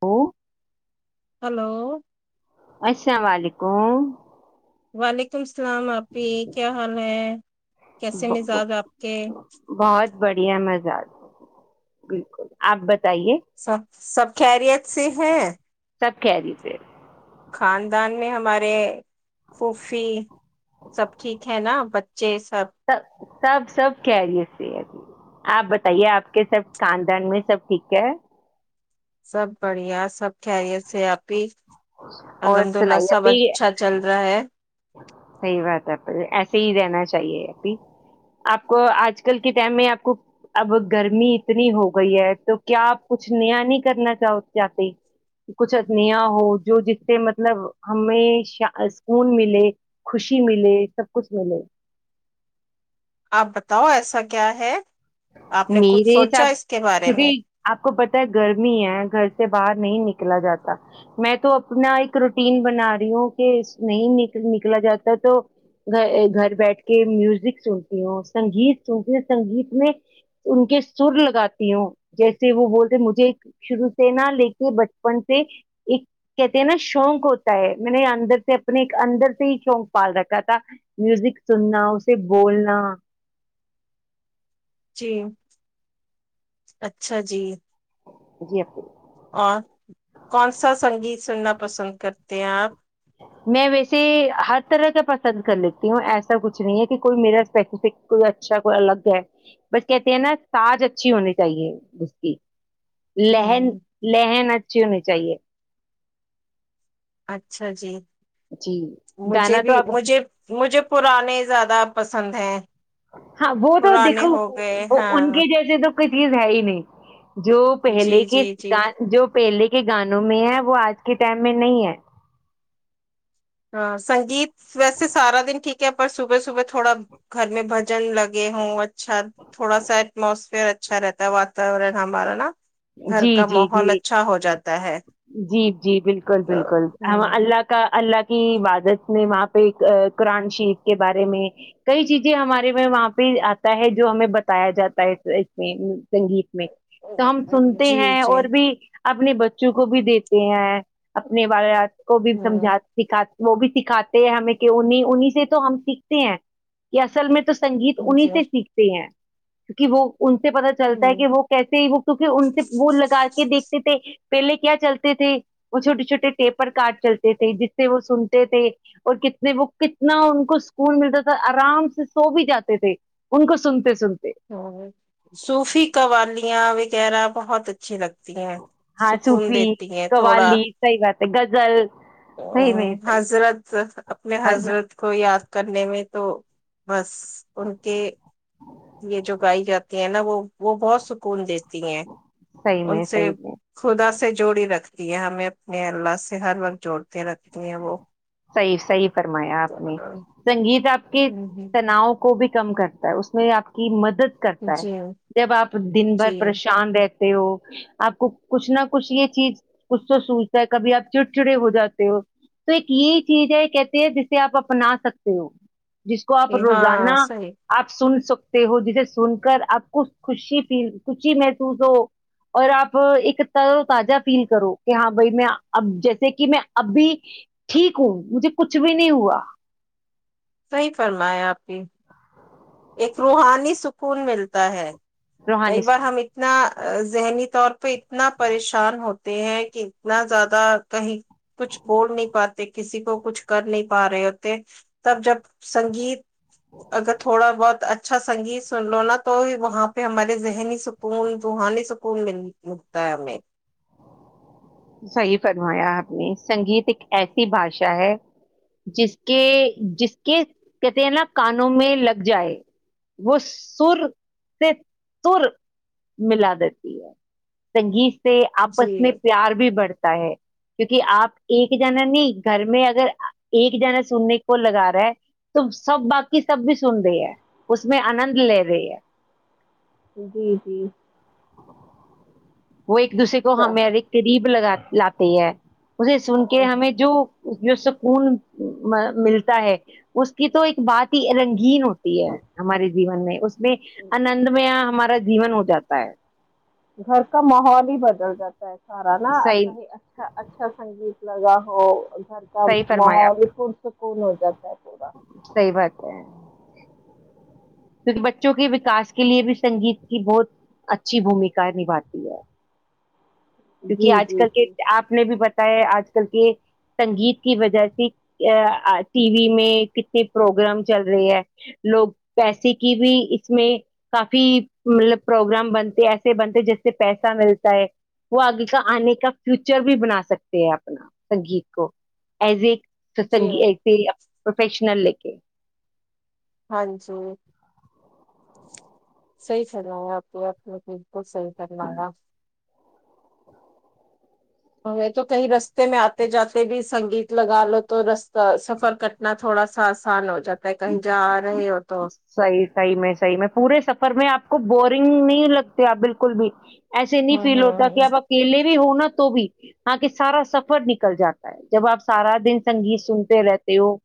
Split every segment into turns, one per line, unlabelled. Hello
hello
السلام علیکم
وعلیکم اللام عپی کیا حال ہے کیسے
ب- ب-
مزاج آپ کے
بہت بڑھیا مزا بالکل آپ بت
سب سب خیریت سے ہیں
سب خیر سے ہیں
خاندان میں ہمارے پھوفی سب ٹھیک ہے نا جی سب
سب سب خہرت سے آپ بتائیے آپ کے سب کاندان میں سب ٹھیک ہے
سب بڑھیا سب خہریت ہے س آپ ہی
اور
الحمد للہ سب اچھا چل رہا ہے
صحی بات ہے ایسے ہی رہنا چاہیے ابھی آپ کو آج کل کے ٹائم میں آپ کو اب گرمی اتنی ہو گئی ہے تو کیا آپ کچھ نیا نہیں کرنا چاہتے کچھ نیا ہو جو جس سے مطلب ہمیں سکون مل ملے خوشی ملے سب کچھ ملے
آپ بتاؤ ایسا کیا ہے آپ نے کچھ
میرے
سوچا
حساب
اس کے بارے میں
کیونکہ آپ کو پتہ ہے گرمی ہے گھر سے باہر نہیں نکلا جاتا میں تو اپنا ایک روٹین بنا رہی ہوں کہ نہیں نکلا جاتا تو گھر بیٹھ کے میوزک سنتی ہوں سنگیت سنتی ہوں سنگیت میں ان کے سر لگاتی ہوں جیسے وہ بولتے مجھے شروع سے نا لے کے بچپن سے ایک کہتے ہیں نا شوق ہوتا ہے میں نے اندر سے اپنے اندر سے ہی شوق پال رکھا تھا میوزک سننا اسے بولنا
جی اچھا جی
جی آپ
اور کون سا سنگیت سننا پسند کرتے ہیں آپ
میں ویسے ہر طرح کا پسند کر لیتی ہوں ایسا کچھ نہیں ہے کہ کوئی میرا اسپیسیفک کوئی اچھا کوئی الگ ہے بس کہتے ہیں نا سج اچھی ہونی چاہیے اس کی
ہ
لہن لہن اچھی ہونی چاہیے
اچھا جی
جی
مجھے
گانا تو
بھی
آپ
مجھے مجھے پرانے زیادہ پسند ہیں
ہاں وہ تو
پرانے
دیکھو
ہو گئے
ان
ہاں
کے جیسے تو کوئی چیز ہے ہی نہیں جو پہلے
جی جی جی
کےان جو پہلے کے گانوں میں ہے وہ آج کے ٹائم میں نہیں ہے
ہاں سنگیت ویسے سارا دن ٹھیک ہے پر صبح صبح تھوڑا گھر میں بھجن لگے ہوں اچھا تھوڑا سا ایٹموسفیئر اچھا رہتا ہے واتاورن ہمارا نا گھر
جی
کا
جی
ماحول
جی
اچھا ہو جاتا ہے
جی جی بالکل
تو
بالکل ہم
ہوں
اللہ کا اللہ کا کی عبادت میں وہاں پہ قرآن شیف کے بارے میں کئی چیزیں ہمارے میں وہاں پہ آتا ہے جو ہمیں بتایا جاتا ہے اس میں سنگیت میں تو ہم سنتے
جی
ہیں
جی
اور بھی اپنے بچوں کو بھی دیتے ہیں اپنے وال کو بھی
ہوں
سمجا سکھات وہ بھی سکھاتے ہیں ہمیں کہ انہیں انہیں سے تو ہم سیکھتے ہیں کہ اصل میں تو سنگیت انہیں
جی
سے سیکھتے ہیں کیونکہ وہ ان سے پتتا چلتا ہے
ہوں
کہ وہ کیے ہی وہ ان سے بول لگا کے دیکھتے تھے پہلے کیا چلتے تھے وہ چھوٹے چھوٹے ٹیپر کارٹ چلتے تھے جس سے وہ سنتے تھے اور کتنے وہ کتنا ان کو سکون ملتا تھا آرام سے سو بھی جاتے تھے ان کو سنتے سنتے
سوفی قوالیا وغیرہ بہت اچھے لگتے تی ہیں
ہاں
سکون دیتی ہیں تھوڑا
گزل
ا حضرت اپنے
حضر
حضرت کو یاد کرنے میں تو بس ان کے یہ جو گائی جاتی ہیں نا وہ وہ بہت سکون دیتی ہیں
صحیح
ان
میں
سے
صحیح میں
خدا سے جوڑی رکھتی یہ ہمیں اپنے اللہ سے ہر وقت جوڑ
صحیح صحی فرمایا آپ نے سنگیت آپ کے تناؤ کو کم کرتا ہے اس میں آپ کی مدد کرتا ہے
جی
جب آپ دن بھر
جی
پریشان رہتے ہو آپ کو کچھ نہ کچھ یہ چیز کچھ تو سوچتا ہے کبھی آپ چڑ چڑے ہو جاتے ہو تو ایک یہ چیز ہے کہتے ہے جسے آپ اپنا سکتے ہو جس کو آپ
ہاں
روزانہ
صحیح
آپ سن سکو ہو جسے سن کر آپ کو خوشی فیل خوشی محسوس ہو اور آپ ایک تر و تازہ فیل کرو کہ ہاں بھائی میں اب جیسے کہ میں ابھی ٹھیک ہوں مجھے کچھ بھی نہیں ہوا
صحی فرمائیا آپ کی ایک روحانی سکون ملتا ہے ب
روحانی
بار ہم اتنا ذہنی طور پہ اتنا پریشان ہوتے ہیں کہ اتنا زیادہ کہیں کچھ بول نہیں پاتے کسی کو کچھ کر نہیں پا رہے تھ تب جب سنگیت اگت تھوڑا بہت اچھا سنگیت سن لو نا تو وہاں پہ ہمارے ذہنی سکون روحانی سکون مل مت میں [unintelligible]
صحیح فرمایا آپ نے سنگیت ایک ایسی بھاشا ہے جس کے جس کے کہتے ن کانوں میں لگ جائے وہ سر سے تر ملا دیتی ہے سنگیت سے آپس
جی
میں پیار تا ہے کیونکہ آپ ایک جنا نہیں گھر میں اگر ایک جنا سننے کو لگا رہا ہے تو سب باقی سب بھی سن رہے ہیں اس میں آنند لے رہے ہے
جی جی
وہ ایک دوسرے کو ہمیں قریب لگا لاتے ہے اسے سن کے ہمیں جو جو سکون ملتا ہے اس کی تو ایک بات ہی رنج گ ہوتی ہے ہمارے جیون میں اس میں آندمیا ہمارے جین ہو جاتا ہے
گھر کا ماحول ہی بدل جاتا ہے سارا ناا
صحیح
ہی اچھا اچھا سنگیت لگا ہو
صحیح
[unintelligible] کون ہو جات ہے پورا
صحی بات ہے جی [unintelligible] کیکہ بچوں کے وکاس کے لیے بھی سنگیت کی بہت اچھی بھومکا نبھاتی ہے
جی
کیونکہ آج
جی
کل کے
جی
آپ نے بھی بتا آج کل کے سنگیت کی وجہ سے ٹی وی میں کتنے پروگرام چل رہے ہے لوگ پیسے کی بھی اس میں کافی مطلب پروگرام بنتے ایسے بنتے جس سے پیسہ ملتا ہے وہ آگے کا آنے کا فیوچر بھی بنا سکتے ہیں اپنا سنگیت کو ایز اے [inaudible]
جی
پروفیشنل جٹھ [unintelligible]
ہاں جی [inaudible] صحیح فرمایا آپ نے بالکل صحیح فرمایا تو کئی رستے ستے میں آتے جاتے بھی سنگیت لگا لو تو رستہ سفر کٹنا تھوڑا سا آسان ہو جاتا ہے کہیں جا رہے ہو تو
صحیح صحیح میں صحیح میں پورے سفر میں آپ کو بورنگ نہیں لگتے آپ بالکل بھی ایسے نہیں
ہاں
فیل ہوتا
ہاں
کہ آپ اکیلے ہونا تو بھی آکے سارا سفر نکل جاتا ہے جب آپ سارا دن سنگیت سنتے رہتے ہو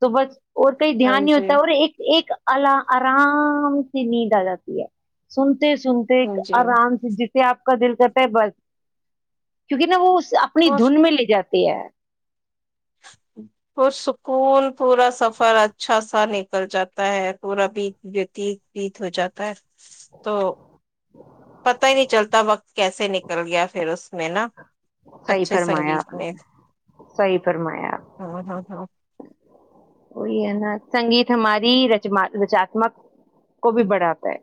تو بس اور کہیں
ہاں
دھیان نہیں
جی
ہوتا اور ایک ایک اعلی آرام کی نیند آ جاتی ہے سن سنتے سنتے ایک
ہاں جی
آرام سے جیسے آپ کا دل کرتا ہے بس کیونکہ نا وہ اپنی
اور
دھن میں لے جاتی تی ہے
پرسکون پورا سفر اچھا نکل جاتا ہے پورا بھیت وتیت بیت ہو جاتا ہے تو
ہ [unintelligible]
پتا ہی نہیں چلتا وقت کیسے نکل گیا پھر اس میں نا
صحیح
اچھے
فرمایا
سنگیت میں
صحیح فرمایا
ہاں ہاں ہاں
وہی ہے نا سنگیت ہماری ر رچامک کو بھی بڑھاتا ہے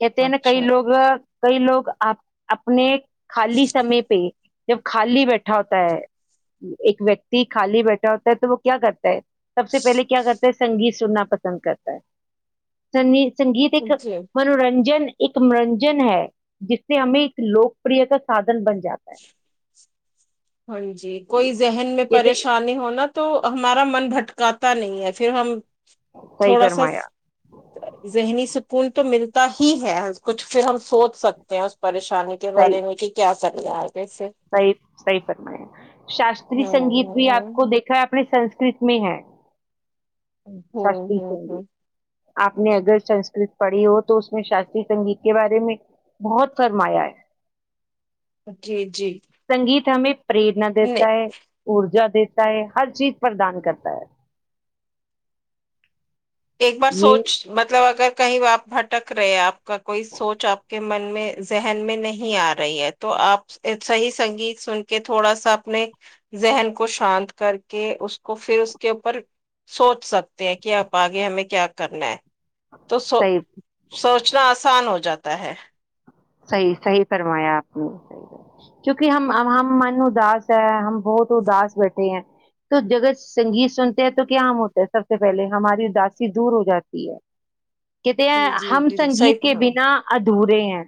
کہتے ہیں نا کئی
اچھا
لوگ کئی لوگ آپ اپنے خالی سمے پہ جب خالی بیٹھا ہوتا ہے ایک ویکتی خالی بیٹھا ہوتا ہے تو وہ کیا کرتا ہے سب سے پہلے کیا کرتا سنگیت سننا پسند کرتا ہے سنگیت سنگیت ایک
جی
منورنجن ایک منورنجن ہے جس سے ہمیں ایک لوکپریا کا سادھن بن جاتا ہے
ہاں جی کوئی ذہن میں
جیسے
پریشانی ہونا تو ہمارا من بھٹکاتا نہیں ہے پھر ہم
صحیح
تھوڑا سا
فرمایا
ذہنی سکون کوئی تو ملتا ہی ہے کچھ پھر ہم سوچ سکتے ہیں اس پریشانی نی کے
صحیح
بارے میں کہ کیا سک [inaudible]
صحیح صحیح فرمایا شاستری
ہاں
سنگیت
ہاں
بھی
ہاں
آپ کو دیکھا ہے آپ نے سنسکرت میں ہے
ہمم ہمم
شاستری
ہمم
سنگیت آپ نے اگر سنسکرت پڑھی ہو تو اس میں شاستری سنگیت کے بارے میں بہت فرمایا ہے
جی جی
سنگیت ہمیں پریرنا
نہیں
دیتا ہے ارجا دیتا ہے ہر چیز پردان کرتا ہے
ایک بار
یہ
سوچ مطلب اگر کہیں آپ بھٹک رہے آپ کا کوئی سوچ آپ کے من میں ذہن میں نہیں آ رہی ہے تو آپ صحیح سنگیت سن کے تھوڑا سا اپنے ذہن کو شانت کر کے اس کو پھر اس کے اوپر سوچ سکتے ہیں کہ آپ آگے ہمیں کیا کرنا ہے تو سو
صحیح
سوچنا آسان ہو جاتا تا ہے
صحیح صحیح فرمایا آپ نے کیونکہ ہم ہم من اداس ہے ہم بہت اداس بیٹھے ہیں تو جگہ سنگیت سنتے ہیں تو کیا ہم ہوتے ہیں سب سے پہلے ہماری اداسی دور ہو جاتی ہے کہتے ہیں
جی جی
ہم
بالکل صحیح
سنگیت کے
کہا۔
بنا ادورے ہیں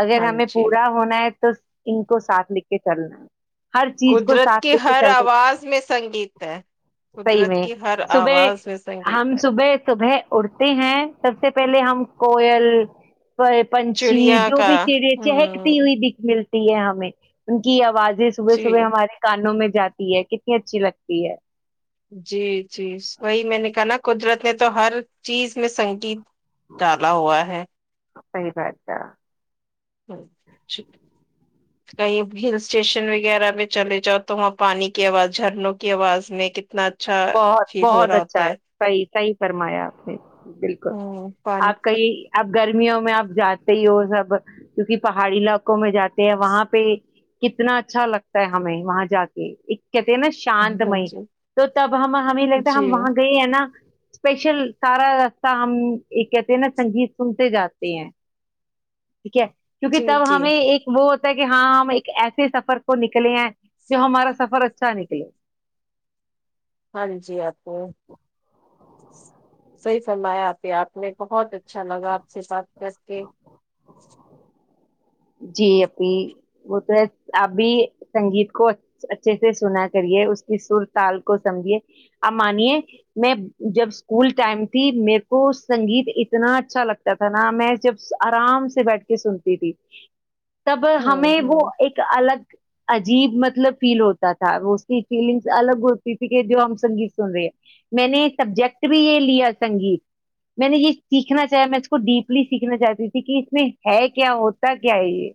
اگر
ہاں
ہمیں
جی
پورا ہونا ہے تو تو ان کو ساتھ لے کے چلنا ہے ہر چیز کو
قدرت
ساتھ
کی
لے کے
ہر
چلتے ہیں۔
آواز میں سنگیت ہے
صحیح
قدرت
میں
کی ہر
صبح
آواز میں سنگیت ہے
اڑتے ہیں سب سے پہلے ہم کوئل پنچھی
چڑیا
جو
کا
بھی چڑی چہکتی
ہوں
ہوئی دکھ مل تی ہے ہمیں ان کی ا اوازیں صبح
جی
صبح ہمارے کانوں میں جاتی ہے کتنی اچھی لگتی ہے
جی جی وہی میں نے کہا نا قدرت نے تو ہر چیز میں سنگیت ڈالا ہوا ہے
صحیح بات ہے
کہیں ہل اسٹیشن وغیرہ پے چلے جاؤ تو وہاں پانی کی آواز جھرنوں کی آواز میں کتنا اچھا
بہت
فیل ہو
بہت
رہا ہوتا
اچھا
ہے
صحیح صحیح فرمایا آپ نے بالکل
ہ پانی
آپ کا یہ اب گرمیوں میں آپ جاتے ہی ہو سب کیونکہ پہاڑی علاقوں میں جاتے وہاں پہ کتنا اچھا لگتا ہے ہمیں وہاں جا کے ایک کہتے ہیں نا شانت
ہاں
مئی
جی
تو ہم ہمیں لگتا ہے
جی
ہم وہاں گئے اسپیشل سارا راستہ ہم کہتے ہیں نا سنگیت سنتے جاتے ہیں ٹھیک ہے کیونکہ
جی
تب
جی
ہمیں ایک وہ کہ ہاں ہم ایک ایسے سفر کو نکلے ہیں جو ہمارا سفر اچھا نکلے
ہاں جی آپ کو صحیح فرمایا آ پ آپ نے بہت اچھا لگا آپ سے ساتھ جس کے
جی اھی وہ تو ہے ابھی سنگیت کو اچھے سے سنا کریے اس کی سر تال کو سمجھیے آپ مانیے میں جب اسکول ٹائم تھی میرے کو سنگیت اتنا اچھا لگتا تھا نا میں جب آرام سے بیٹھ کے سنتی تھی تب
ہوں
ہمیں وہ
ہوں
ایک الگ عجیب مطلب فیل ہوتا تھا وہ اس کی فیلنگس الگ ہوتی تھی کہ جو ہم سنگیت سن رہے ہیں میں نے سبجیکٹ بھی یہ لیا سنگیت میں نے یہ سیکھنا چاہ میں اس کو ڈیپلی سیکھنا چاہتی تھی کہ اس میں ہے کیا ہوتا کیائیے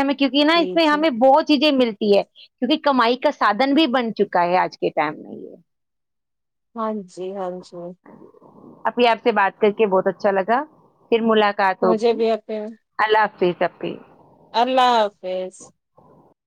ہمیں کیونکہ ہے نا اس
جی
میں
جی
ہمیں بہت چیزیں ملتی ہے کیونکہ کمائی کا سادھن بھی بن چکا ہے آج کے ٹائم میں یہ
ہاں جی جی ہاں جی
اپنی آپ سے بات کر کے بہت اچھا لگا پھر ملاقات
مجھے
ہوگی
بھی اپنے
اللہ حافظ چی چپی
کرر لاک فیس